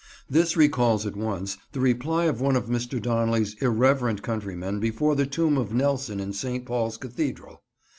This recalls at once the reply of one of Mr. Donnelly's irreverent countrymen before the tomb of Nelson in St. Paul's Cathedral.